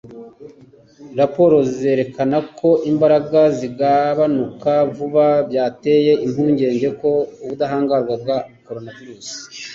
raporo zerekana ko imbaraga zigabanuka vuba byateye impungenge ko ubudahangarwa bwa coronavirus